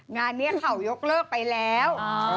งานนี้เขายกเลิกไปแล้ว